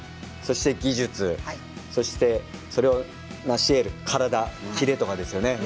そして技術そして、それを成しえる体、切れとかですよね。